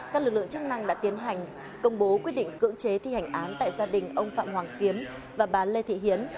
các lực lượng chức năng đã tiến hành công bố quyết định cưỡng chế thi hành án tại gia đình ông phạm hoàng kiếm và bà lê thị hiến